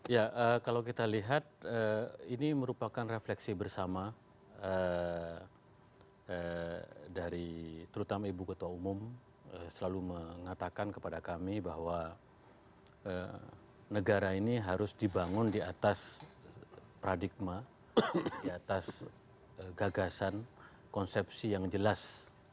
ya kalau kita lihat ini merupakan refleksi bersama dari terutama ibu ketua umum selalu mengatakan kepada kami bahwa negara ini harus dibangun di atas pradigma di atas gagasan konsepsi yang jelas